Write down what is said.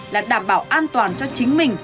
là đảm bảo an toàn cho chính mình